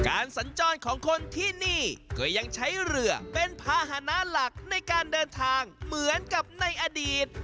สัญจรของคนที่นี่ก็ยังใช้เรือเป็นภาษณะหลักในการเดินทางเหมือนกับในอดีต